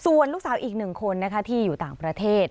ส่วนลูกสาวอีกหนึ่งคนนะคะที่อยู่ต่างประเทศ